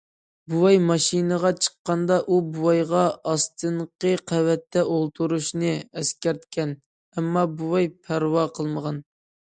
بوۋاي ماشىنىغا چىققاندا ئۇ بوۋايغا ئاستىنقى قەۋەتتە ئولتۇرۇشنى ئەسكەرتكەن، ئەمما بوۋاي پەرۋا قىلمىغان.